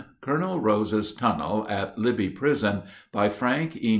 COLONEL ROSE'S TUNNEL AT LIBBY PRISON BY FRANK E.